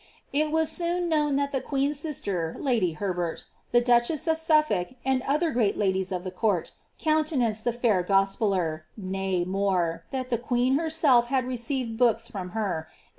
It was •con known that the queen's sister, lady Herbert, the duchess of Suffolk, and other great ladies of the court, countenanced the fair gospeller — nay, more — that the queen herself had received books from her, in the I Hall.